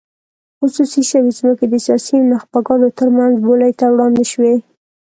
خصوصي شوې ځمکې د سیاسي نخبګانو ترمنځ بولۍ ته وړاندې شوې.